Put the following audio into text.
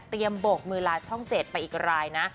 เตรียมโบกมือลาช่องเจสไปอีกรายนะ